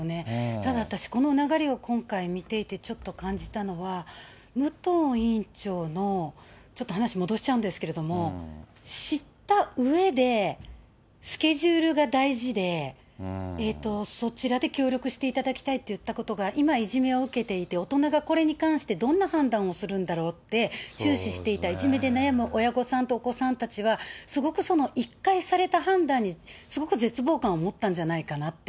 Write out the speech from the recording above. ただ私この流れを今回見ていて、ちょっと感じたのは、武藤委員長の、ちょっと話戻しちゃうんですけれども、知ったうえで、スケジュールが大事で、そちらで協力していただきたいと言ったことが、今、いじめを受けていて大人がこれに関してどんな判断をするんだろうって注視していたいじめで悩む親御さんとお子さんたちは、すごくその１回された判断にすごく絶望感を持ったんじゃないかなって。